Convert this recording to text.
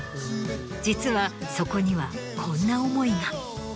実はそこにはこんな思いが。